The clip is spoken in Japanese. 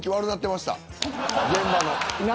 現場の。